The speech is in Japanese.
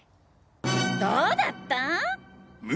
どうだったぁ！？